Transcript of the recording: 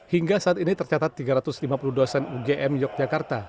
hingga saat ini tercatat tiga ratus lima puluh dosen ugm yogyakarta